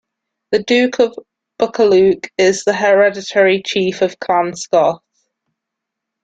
The Duke of Buccleuch is the hereditary chief of Clan Scott.